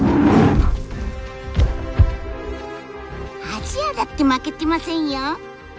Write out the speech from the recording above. アジアだって負けてませんよ。